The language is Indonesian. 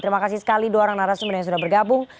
terima kasih sekali dua orang narasumber yang sudah bergabung